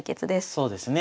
そうですね。